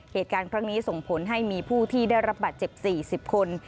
เหตุการณ์ครั้งนี้ส่งผลให้มีผู้ที่ได้รับบาดเจ็บ๔๐คน